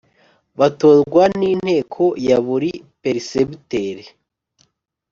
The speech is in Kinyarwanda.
batorwa n Inteko ya buri Peresibiteri